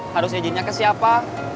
harus izinnya ke siapa